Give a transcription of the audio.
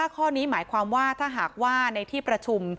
ข้อนี้หมายความว่าถ้าหากว่าในที่ประชุม